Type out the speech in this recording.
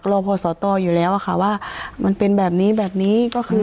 รอพอสตอยู่แล้วอะค่ะว่ามันเป็นแบบนี้แบบนี้ก็คือ